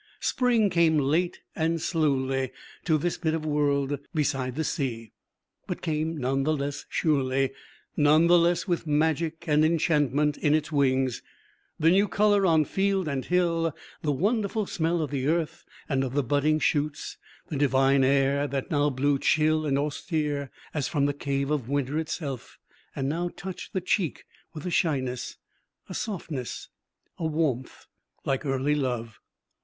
Spring came late and slowly to this bit of world beside the sea, but came none the less surely, none the less with magic and enchantment in its wings; the new color on field and hill, the wonderful smell of the earth and of the budding shoots, the divine air, that now blew chill and austere as from the cave of winter itself and now touched the cheek with a shyness, a softness, a warmth, like early love.